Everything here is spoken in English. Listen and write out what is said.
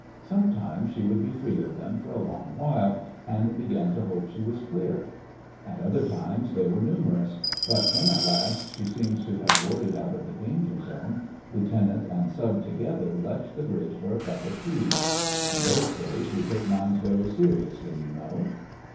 Sometimes she would be free of them for a long while, and began to hope she was clear. At other times they were numerous, but when at last she seemed to have worried out of the danger zone, lieutenant and sub together left the bridge for a cup of tea. ("In those days we took mines very seriously, you know.")